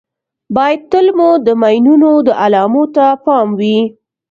باید تل مو د ماینونو د علامو ته پام وي.